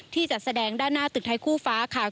จัดแสดงด้านหน้าตึกไทยคู่ฟ้าค่ะ